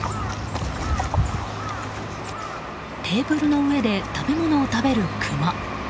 テーブルの上で食べ物を食べるクマ。